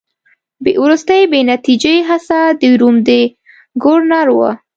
وروستۍ بې نتیجې هڅه د روم د ګورنر وه.